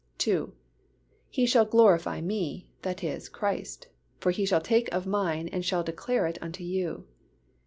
(2) "He shall glorify Me (that is, Christ) for He shall take of Mine and shall declare it unto you."